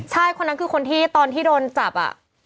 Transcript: ใช่คนนั้นคือคนที่ตอนที่โดนจับอ่ะ